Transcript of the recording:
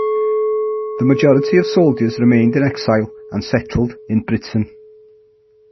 The majority of soldiers remained in exile and settled in Britain.